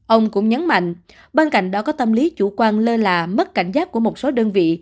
ông cũng nhấn mạnh bên cạnh đó có tâm lý chủ quan lơ là mất cảnh giác của một số đơn vị